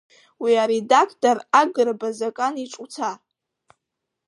Уи аредактор Агырба Закан иҿы уца!